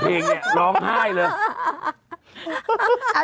ไปร้องไห้เหรอมาดาม